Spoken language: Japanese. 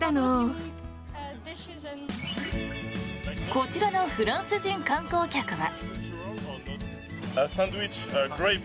こちらのフランス人観光客は。